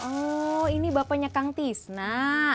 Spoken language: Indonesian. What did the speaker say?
oh ini bapaknya kang tisna